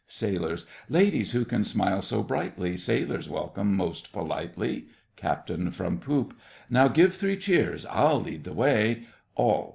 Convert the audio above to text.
SAILORS. Ladies who can smile so brightly, Sailors welcome most politely. CAPT. (from poop). Now give three cheers, I'll lead the way ALL.